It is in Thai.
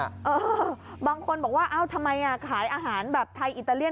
เออบางคนบอกว่าเอ้าทำไมขายอาหารแบบไทยอิตาเลีย